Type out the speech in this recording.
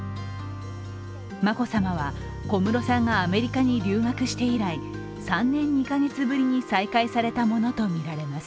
眞子さまは小室さんがアメリカに留学して以来３年２カ月ぶりに再会されたものとみられます。